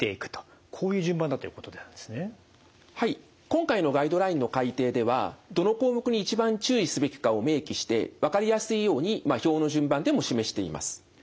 今回のガイドラインの改訂ではどの項目に一番注意すべきかを明記して分かりやすいように表の順番でも示しています。